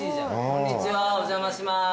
こんにちはお邪魔します。